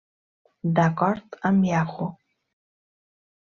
D'acord amb Yahoo!